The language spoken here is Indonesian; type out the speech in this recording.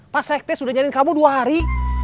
pak sekte sudah nyanyiin kamu dua hari